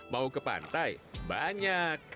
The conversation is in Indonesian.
mau ke pantai banyak